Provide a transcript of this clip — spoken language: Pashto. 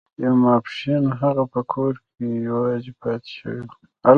یو ماسپښین هغه په کور کې یوازې پاتې شوی و